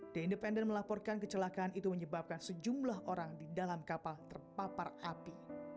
the independen melaporkan kecelakaan itu menyebabkan sejumlah orang di dalam kapal terpapar api